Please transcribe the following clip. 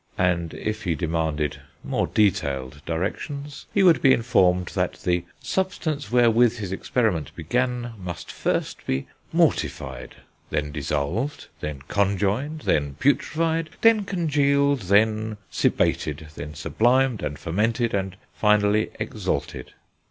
And if he demanded more detailed directions, he would be informed that the substance wherewith his experiments began must first be mortified, then dissolved, then conjoined, then putrefied, then congealed, then cibated, then sublimed, and fermented, and, finally, exalted.